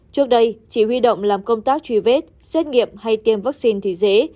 trước đây chỉ huy động làm công tác truy vết xét nghiệm hay tiêm vaccine thì dễ